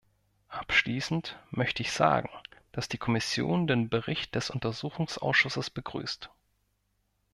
Abschließend möchte ich sagen, dass die Kommission den Bericht des Untersuchungsausschusses begrüßt.